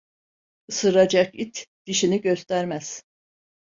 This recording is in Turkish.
Isıracak it dişini göstermez.